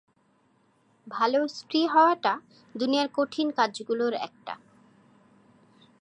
ভাল স্ত্রী হওয়াটা দুনিয়ার কঠিন কাজগুলোর একটা।